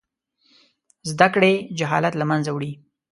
زده کړې جهالت له منځه وړي.